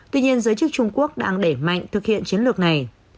tuy nhiên giới chức trung quốc đang đẩy mạnh thực hiện chiến lược này